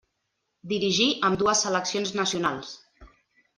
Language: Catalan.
Dirigí ambdues seleccions nacionals.